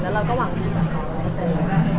แล้วเราก็หวังดีกับเขาไปเป็น